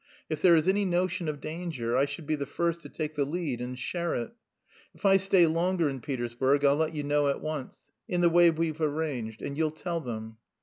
If there is any notion of danger, I should be the first to take the lead and share it. If I stay longer in Petersburg I'll let you know at once ... in the way we've arranged, and you'll tell them."